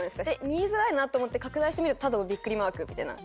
見えづらいなと思って拡大して見るとただのビックリマークみたいな。